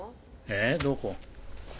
えっどこ？